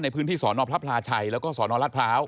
พื้นที่สอนอพระพลาชัยแล้วก็สนรัฐพร้าว